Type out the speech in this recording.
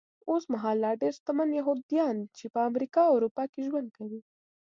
اوسمهال لا ډېر شتمن یهوديان چې په امریکا او اروپا کې ژوند کوي.